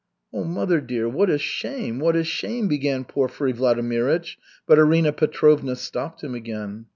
"Oh, mother dear, what a shame, what a shame!" began Porfiry Vladimirych, but Arina Petrovna stopped him again.